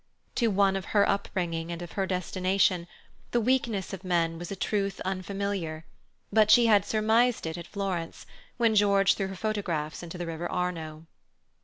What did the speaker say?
To one of her upbringing, and of her destination, the weakness of men was a truth unfamiliar, but she had surmised it at Florence, when George threw her photographs into the River Arno.